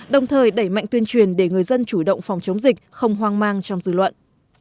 đồng thời đẩy mạnh tuyên truyền để người dân chủ động phòng chống dịch không hoang mang trong dư luận